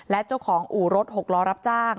และเจ้าของอู่รถหกล้อรับจ้าง